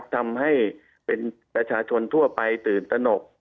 ทำให้เป็นประชาชนทั่วไปตื่นตนก